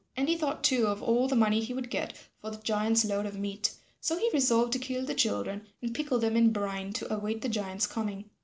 And he thought too of all the money he would get for the giant's load of meat. So he resolved to kill the children and pickle them in brine to await the giant's coming.